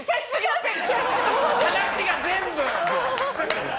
話が全部。